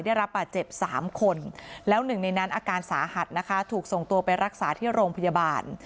ได้รับบาดเจ็บ๓คนแล้วหนึ่งในนั้นอาการสาหัสนะคะถูกส่งตัวไปรักษาที่โรงพยาบาล